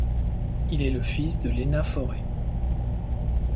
Il est le fils de Lena Forret.